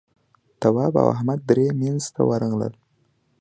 تواب او احمد درې مينځ ته ورغلل.